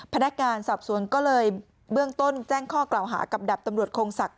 พนักงานสอบสวนก็เลยเบื้องต้นแจ้งข้อกล่าวหากับดับตำรวจคงศักดิ